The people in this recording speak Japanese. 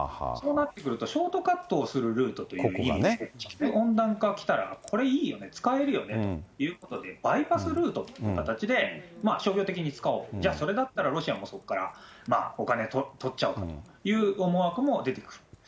そうなってくるとショートカットをするルートという意味があって、温暖化きたら、これいいよね、使えるよねということで、バイパスルートという形で、商業的に使おう、じゃあ、それだったら、ロシアもそこからお金取っちゃおうかという思惑も出てくる。